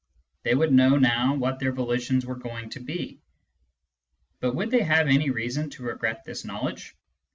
They would know now what their volitions were going to be. But would they have any reason to regret this knowledge ?